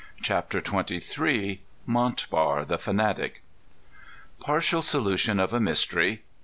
CHAPTER XXIII. Montbar the Fanatic. Partial Solution of a Mystery.